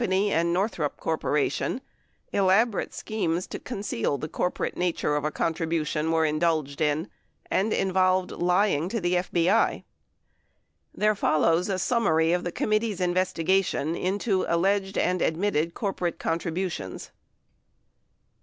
and Northrop Corp. — elaborate schemes to conceal the corporate nature of a contribution were indulged in, and involved lying to the FBI. There follows a summary of the committee's investigation into alleged and admitted corporate contributions.